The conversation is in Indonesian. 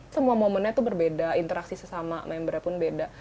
semua momennya itu berbeda interaksi sesama membernya pun beda